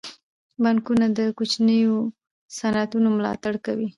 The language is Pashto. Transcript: بانکونه د کوچنیو صنعتونو ملاتړ کوي.